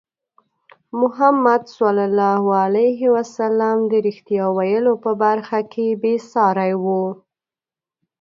محمد صلى الله عليه وسلم د رښتیا ویلو په برخه کې بې ساری وو.